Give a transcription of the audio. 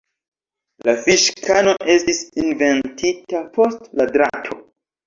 La fiŝkano estis inventita post la drato.